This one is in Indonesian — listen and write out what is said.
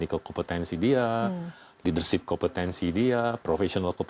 bagaimana penghargaan dalam perusahaan bahkan mudah berkat batok